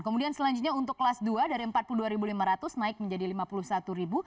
kemudian selanjutnya untuk kelas dua dari rp empat puluh dua lima ratus naik menjadi rp lima puluh satu